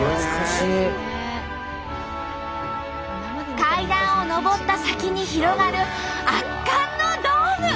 階段を上った先に広がる圧巻のドーム！